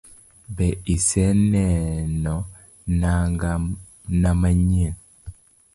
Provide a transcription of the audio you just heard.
Be iseneno nanga na manyien?